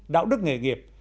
đạo đức nghề nghiệp